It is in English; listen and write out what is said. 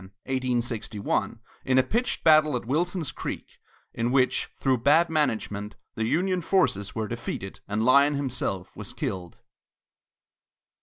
Hostilities culminated on August 10, 1861, in a pitched battle at Wilson's Creek, in which, through bad management, the Union forces were defeated and Lyon himself was killed.